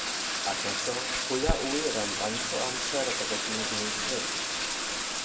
Ac eto, pwy a ŵyr am faint o amser y byddwch chi'n ddieithryn?